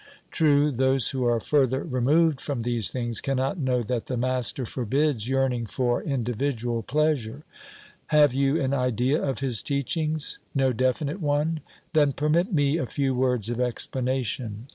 True, those who are further removed from these things cannot know that the master forbids yearning for individual pleasure. Have you an idea of his teachings? No definite one? Then permit me a few words of explanation.